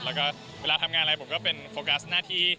แล้วก็เวลาทำงานอะไรผมก็เป็นโฟกัสหน้าที่